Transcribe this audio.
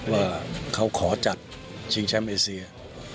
ว่าเขาขอจัดชิงแชมป์เอเซีย